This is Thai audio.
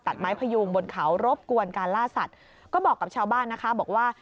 ไม้พยูงบนเขารบกวนการล่าสัตว์ก็บอกกับชาวบ้านนะคะบอกว่า